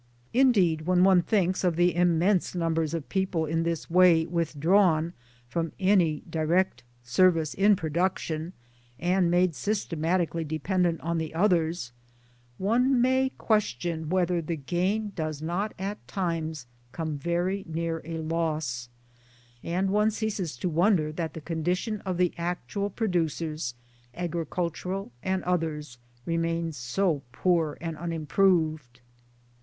Indeed when one thinks of the immense numbers of people in this way withdrawn from any direct service in production and made systematically dependent on the others, one may question whether TRADE AND PHILOSOPHY ;i 3 9 the gain does not at times come very near a loss ; and one ceases to wonder that the condition of the actual producers, Agricultural and others, remains so poor and unimproved.